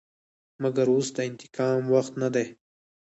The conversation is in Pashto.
مګر اوس د انتقام وخت نه دى.